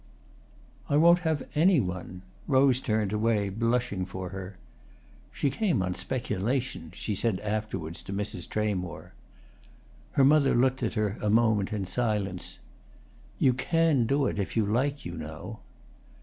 "I won't have any one!" Rose turned away, blushing for her. "She came on speculation," she said afterwards to Mrs. Tramore. Her mother looked at her a moment in silence. "You can do it if you like, you know."